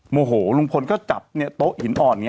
โมโหลุงพลก็จับโต๊ะหินอ่อนอย่างนี้